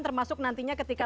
termasuk nantinya ketika